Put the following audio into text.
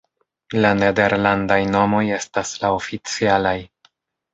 La nederlandaj nomoj estas la oficialaj.